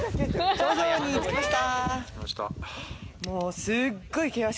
頂上に着きました！